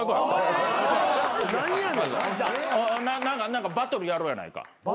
何かバトルやろうやないか。